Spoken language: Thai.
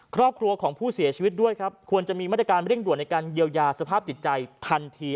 ครอบครัวของผู้เสียชีวิตด้วยครับควรจะมีมาตรการเร่งด่วนในการเยียวยาสภาพจิตใจทันที